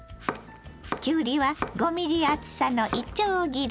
きゅうりは５ｍｍ厚さのいちょう切り。